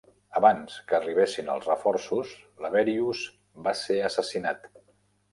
Abans que arribessin els reforços, Laberius va ser assassinat.